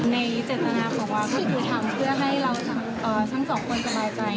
ในเจตนาของความยุติธรรมเพื่อให้เราทั้งสองคนสบายใจ